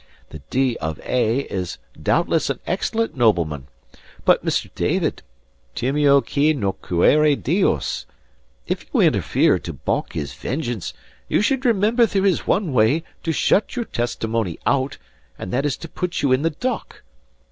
The D. of A. is doubtless an excellent nobleman; but, Mr. David, timeo qui nocuere deos. If you interfere to balk his vengeance, you should remember there is one way to shut your testimony out; and that is to put you in the dock.